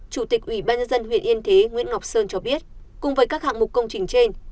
chủ tịch ủy ban nhân dân huyện yên thế nguyễn ngọc sơn cho biết cùng với các hạng mục công trình trên